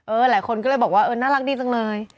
หลายคนก็เลยบอกว่าเออน่ารักดีจังเลย